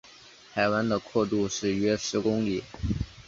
海湾的阔度是约十公里。